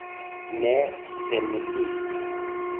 Ne senriska!